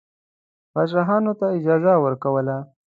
پاچاهانو ته اجازه ورکوله.